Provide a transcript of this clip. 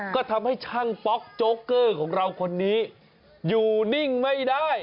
ก็ทำให้ช่างป๊อกโจ๊กเกอร์ของเราคนนี้อยู่นิ่งไม่ได้